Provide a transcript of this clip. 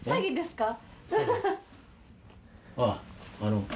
あっあの。